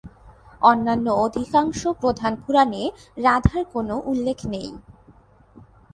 অন্যান্য অধিকাংশ প্রধান পুরাণে রাধার কোনো উল্লেখ নেই।